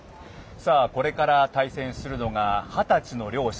これから対戦するのが二十歳の両者。